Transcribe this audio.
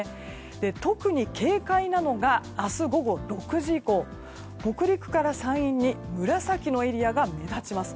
特に警戒なのが明日午後６時以降北陸から山陰に紫のエリアが目立ちます。